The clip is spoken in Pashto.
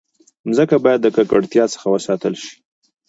مځکه باید د ککړتیا څخه وساتل شي.